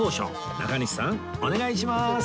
中西さんお願いします